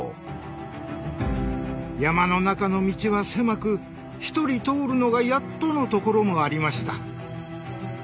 山の中の道は狭く１人通るのがやっとの所もありました。